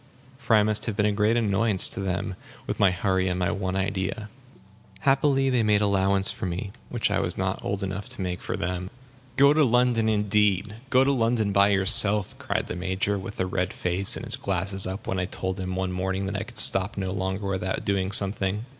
For I must have been a great annoyance to them, with my hurry and my one idea. Happily they made allowance for me, which I was not old enough to make for them. "Go to London, indeed! Go to London by yourself!" cried the Major, with a red face, and his glasses up, when I told him one morning that I could stop no longer without doing something.